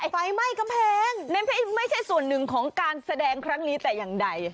ไฟไหม้กำแพงนั่นไม่ใช่ส่วนหนึ่งของการแสดงครั้งนี้แต่อย่างใด